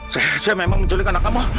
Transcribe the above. saya memang menculik anak kamu